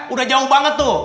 udah jauh banget tuh